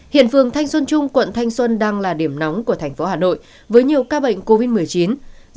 hiện phường thanh xuân trung quận thanh xuân đang là điểm nóng của thành phố hà nội với nhiều ca bệnh covid một mươi chín